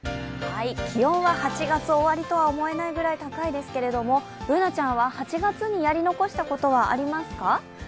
気温は８月終わりとは思えないぐらい高いですけれどもＢｏｏｎａちゃんは８月にやり残したことはありますか？